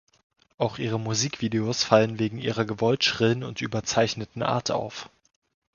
Auch ihre Musikvideos fallen wegen ihrer gewollt schrillen und überzeichneten Art auf.